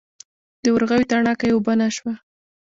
د ورغوي تڼاکه یې اوبه نه شوه.